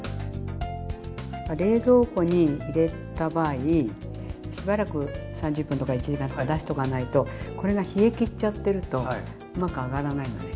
冷蔵庫に入れた場合しばらく３０分とか１時間とか出しとかないとこれが冷え切っちゃってるとうまく揚がらないのね。